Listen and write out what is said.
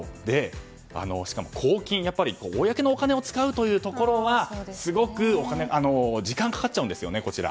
しかも公金公のお金を使うというところはすごく時間がかかっちゃうんです。